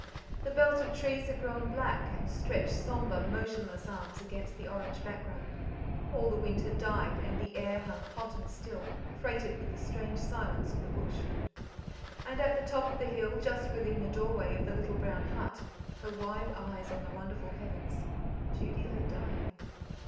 The belt of trees had grown black, and stretched sombre, motionless arms against the orange background. All the wind had died, and the air hung hot and still, freighted with the strange silence of the bush. And at the top of the hill, just within the doorway of the little brown hut, her wide eyes on the wonderful heavens, Judy lay dying.